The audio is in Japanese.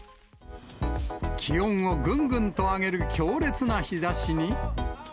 気温をぐんぐんと上げる強烈な日ざしに。